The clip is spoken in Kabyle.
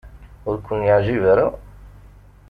Ur ken-yeɛjib ara?